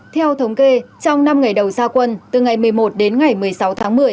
theo thống kê trong năm ngày đầu gia quân từ ngày một mươi một đến ngày một mươi sáu tháng một mươi